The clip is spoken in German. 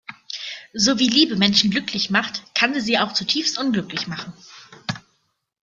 So wie Liebe Menschen glücklich macht, kann sie sie auch zutiefst unglücklich machen.